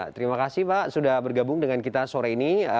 terima kasih pak sudah bergabung dengan kita sore ini